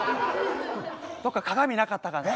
どっか鏡なかったかな。